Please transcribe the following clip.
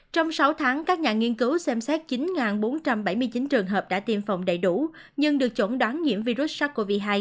trong sáu tháng các nhà nghiên cứu xem xét chín bốn trăm bảy mươi chín trường hợp đã tiêm phòng đầy đủ nhưng được chuẩn đoán nhiễm virus sars cov hai